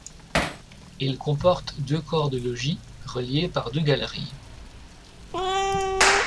Il comporte deux corps de logis reliés par deux galeries.